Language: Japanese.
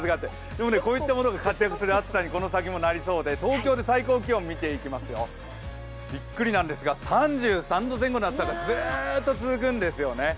でもこういったものが活躍する暑さにこの先なりそうで東京で最高気温、見ていきますよビックリなんですが、３３度前後の暑さがずーっと続くんですよね。